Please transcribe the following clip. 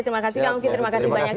terima kasih kang uki terima kasih banyak